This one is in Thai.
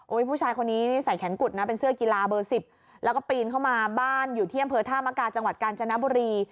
ผู้ชายคนนี้นี่ใส่แขนกุดนะเป็นเสื้อกีฬาเบอร์๑๐แล้วก็ปีนเข้ามาบ้านอยู่ที่อำเภอธามกาจังหวัดกาญจนบุรี